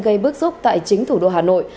gây bức xúc tại chính thủ đô hà nội